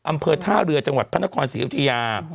อำเภอท่าเรือจังหวัดพระนครศรีอยุธยา